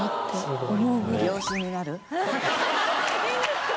いいんですか？